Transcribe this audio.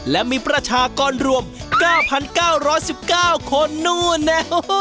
และมีประชากรรวม๙๙๑๙คนนู้นนะ